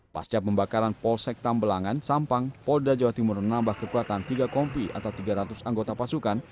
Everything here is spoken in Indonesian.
pasca pembakaran polsek tambelangan sampang polda jawa timur menambah kekuatan tiga kompi atau tiga ratus anggota pasukan